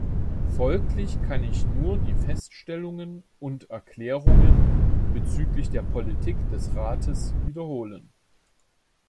Folglich kann ich nur die Feststellungen und Erklärungen bezüglich der Politik des Rates wiederholen.